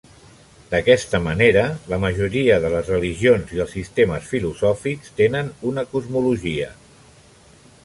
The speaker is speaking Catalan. D'aquesta manera, la majoria de les religions i els sistemes filosòfics tenen una cosmologia.